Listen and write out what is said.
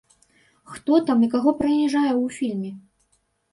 Хто там і каго прыніжае ў фільме?